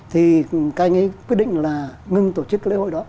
thì các anh ấy quyết định là ngưng tổ chức cái lễ hội đó